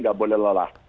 gak boleh lolah